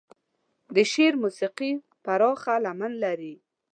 د شعر موسيقي پراخه لمن لري.